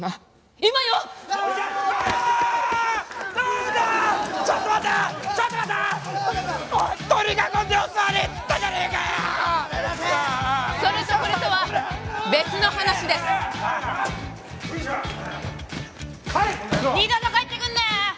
二度と帰ってくんなよ！